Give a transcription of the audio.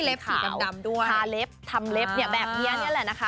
ต้มเล็บสีกำดำด้วยภาเล็บทำเล็บเนี่ยแบบเงี้ยเนี่ยแหละนะคะ